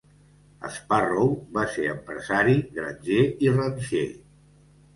Sparrow va ser empresari, granger i ranxer.